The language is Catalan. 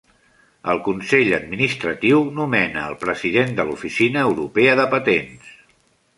El Consell Administratiu nomena el president de l"Oficina Europea de Patents.